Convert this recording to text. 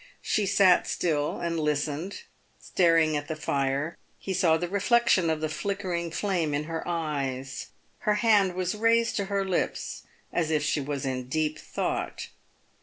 She sat still and listened, staring at the fire. He saw the reflection of the flickering flame in her eyes. Her hand was raised to her lips as if she was in deep thought.